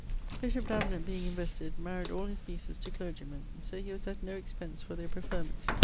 Bishop Davenant being invested, maried all his nieces to clergie men, so he was at no expence for their preferment.